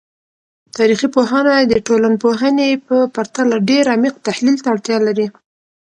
تاریخي پوهنه د ټولنپوهنې په پرتله ډیر عمیق تحلیل ته اړتیا لري.